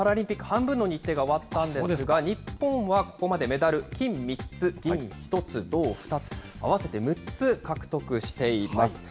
これでパラリンピック、半分の日程が終わったんですが、日本はここまでメダル金３つ、銀１つ、銅２つ、合わせて６つ獲得しています。